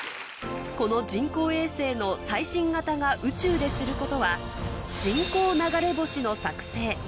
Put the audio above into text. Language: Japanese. この人工衛星の最新型が宇宙ですることは人工流れ星の作成